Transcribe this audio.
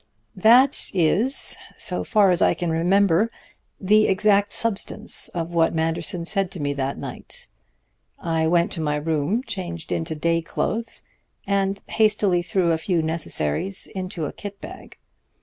"That is, so far as I can remember, the exact substance of what Manderson said to me that night. I went to my room, changed into day clothes, and hastily threw a few necessaries into a kit bag.